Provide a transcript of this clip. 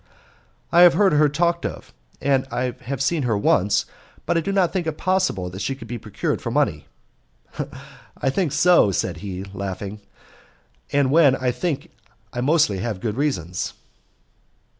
"I have heard her talked of and I have seen her once, but I do not think it possible that she can be procured for money." "I think so," said he, laughing, "and when I think I mostly have good reasons."